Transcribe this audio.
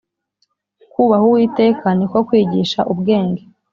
kūbaha uwiteka ni ko kwigisha ubwenge,